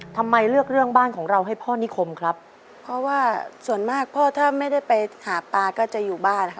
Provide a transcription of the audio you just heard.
ทำไมเลือกเรื่องบ้านของเราให้พ่อนิคมครับเพราะว่าส่วนมากพ่อถ้าไม่ได้ไปหาปลาก็จะอยู่บ้านค่ะ